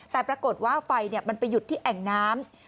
แต่ปรากฏว่าไฟมันไปหยุดที่แอ่งน้ำ